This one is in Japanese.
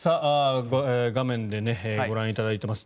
画面でご覧いただいています